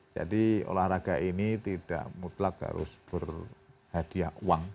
jadi olahraga ini tidak mutlak harus berhadiah uang